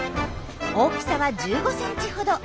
大きさは１５センチほど。